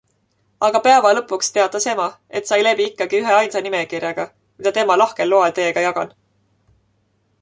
Aga päeva lõpuks teatas ema, et sai läbi ikkagi üheainsa nimekirjaga, mida tema lahkel loal teiega jagan.